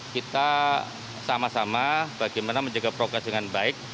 kita sama sama bagaimana menjaga progres dengan baik